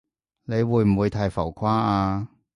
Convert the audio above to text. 你會唔會太浮誇啊？